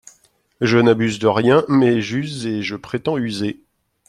Je n'abuse de rien, mais j'use et je prétends user.